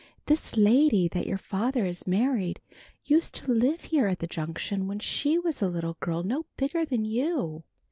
"This lady that your father has married, used to live here at the Junction when she was a little girl no bigger than you.